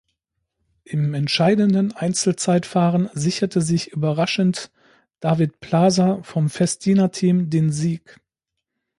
Im entscheidenden Einzelzeitfahren sicherte sich überraschend David Plaza vom Festina-Team den Sieg.